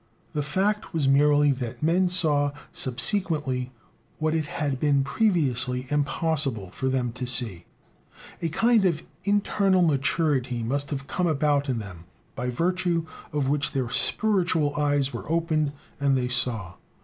The fact was merely that men saw subsequently what it had been previously impossible for them to see. A kind of internal maturity must have come about in them, by virtue of which their spiritual eyes were opened, and they saw.